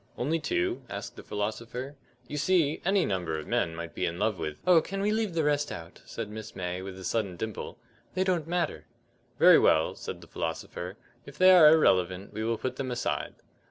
"Only two?" asked the philosopher. "You see, any number of men _might _ be in love with " "Oh, we can leave the rest out," said Miss May, with a sudden dimple; "they don't matter." "Very well," said the philosopher, "if they are irrelevant we will put them aside."